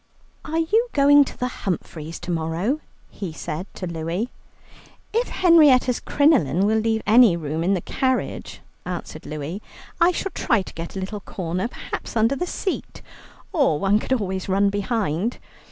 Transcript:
"Are you going to the Humphreys to morrow?" he said to Louie. "If Henrietta's crinoline will leave any room in the carriage," answered Louie, "I shall try to get a little corner, perhaps under the seat, or one could always run behind.